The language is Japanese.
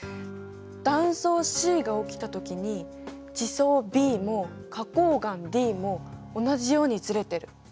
断層Ｃが起きたときに地層Ｂも花こう岩Ｄも同じようにずれてる。